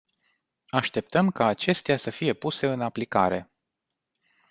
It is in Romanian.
Așteptăm ca acestea să fie puse în aplicare.